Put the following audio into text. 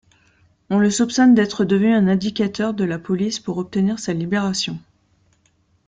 On le soupçonne d'être devenu un indicateur de la police pour obtenir sa libération.